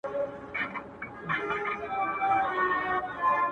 له تا قربان ستا ديدنـونـه هېـر ولاى نــه ســم ـ